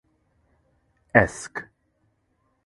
Esk.